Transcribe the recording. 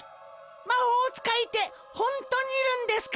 まほうつかいってほんとにいるんですか！？